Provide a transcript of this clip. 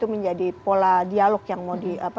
menjadi pola dialog yang bisa dijalankan oleh pemerintah